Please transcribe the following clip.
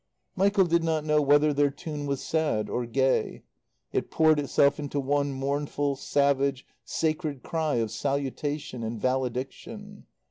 Michael did not know whether their tune was sad or gay. It poured itself into one mournful, savage, sacred cry of salutation and valediction.